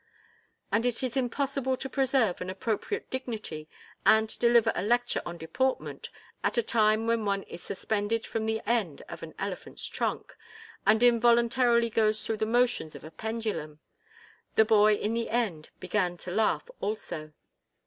And as it is impossible to preserve an appropriate dignity and deliver a lecture on deportment at a time when one is suspended from the end of an elephant's trunk and involuntarily goes through the motions of a pendulum, the boy in the end began to laugh also.